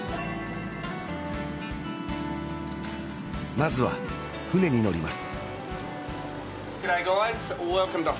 まずは船に乗ります